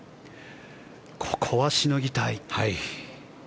ここはしのぎたい。